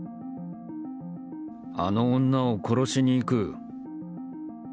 あの女を殺しに行く。